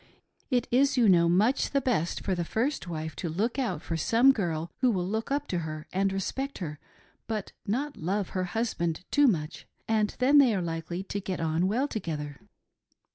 It is you know much the best for the first wife' to look out for some girl who will look up to her and respect her, but not love her husband too much, and then they are likely to get on .well together.